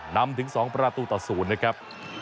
นำถึง๒ประตูต่อ๐นะครับ